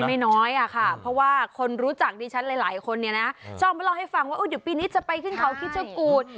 ขอให้ไม่น้อยค่ะเพราะว่าค้นรู้จักที่ฉันหลายคนเนี่ยนะช่องมาตลอดให้ฟังว่าวุ่หนีพีนี้จะไปขึ้นเขาคิดจะสมภัย